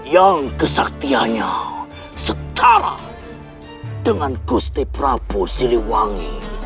yang kesaktianya setara dengan gusti prabowo siliwangi